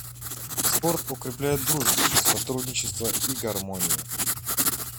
Спорт укрепляет дружбу, сотрудничество и гармонию.